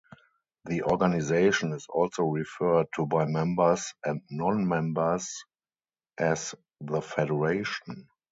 The organization is also referred to by members and non-members as the Federation.